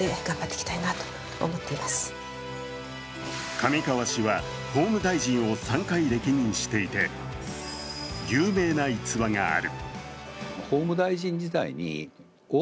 上川氏は法務大臣を３回歴任していて有名な逸話がある。